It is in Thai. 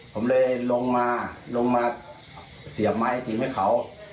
ผมเลยลงมาเสียบไอติมให้เขา